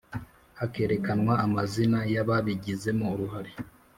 hakerekanwa amazina yababigizemo uruhare